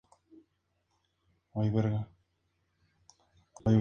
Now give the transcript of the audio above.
Es considerada la muestra del sector más importante de la región.